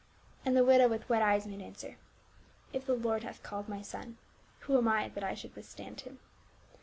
And the widow with wet eyes made answer. " If the Lord hath called my son, who am I that I should withstand him."